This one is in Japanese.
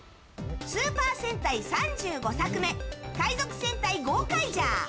スーパー戦隊３５作目「海賊戦隊ゴーカイジャー」。